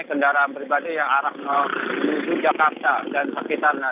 kendaraan pribadi yang arah menuju jakarta dan sekitarnya